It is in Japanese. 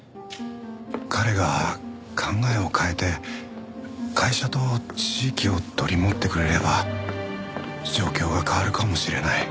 彼が考えを変えて会社と地域を取り持ってくれれば状況が変わるかもしれない。